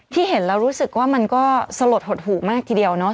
เห็นแล้วรู้สึกว่ามันก็สลดหดหูมากทีเดียวเนาะ